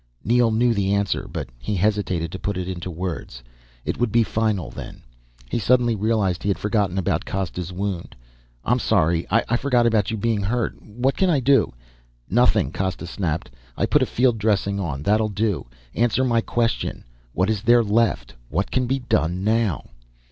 Neel knew the answer, but he hesitated to put it into words. It would be final then. He suddenly realized he had forgotten about Costa's wound. "I'm sorry ... I forgot about your being hurt. What can I do?" "Nothing," Costa snapped. "I put a field dressing on, that'll do. Answer my question. What is there left? What can be done now?"